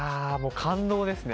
感動ですね。